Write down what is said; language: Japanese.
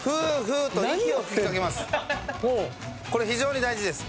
これ非常に大事です。